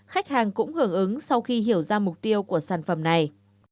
khách hàng cũng hưởng ứng sau khi hiểu ra mục tiêu của sản phẩm này